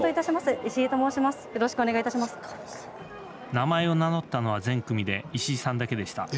名前を名乗ったのは全組で石井さんだけでした。